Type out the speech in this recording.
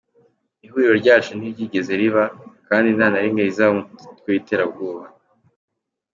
Ihuriro ryacu ntiryigeze riba, kandi nta na rimwe rizaba umutwe w’iterabwoba.